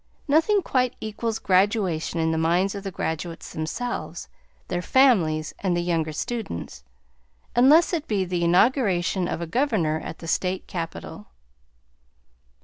Nothing quite equals graduation in the minds of the graduates themselves, their families, and the younger students, unless it be the inauguration of a governor at the State Capitol.